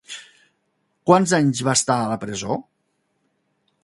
Quants anys va estar a la presó?